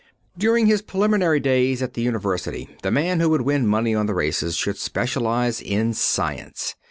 During his preliminary days at the university, the man who would win money on the races should specialize in science.